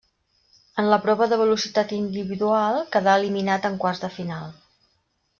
En la prova de velocitat individual quedà eliminat en quarts de final.